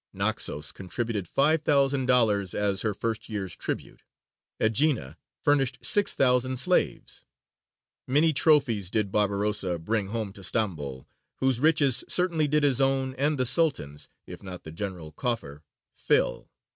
Naxos contributed five thousand dollars as her first year's tribute; Aegina furnished six thousand slaves. Many trophies did Barbarossa bring home to Stambol, whose riches certainly did his own and the Sultan's, if not "the general coffer, fill."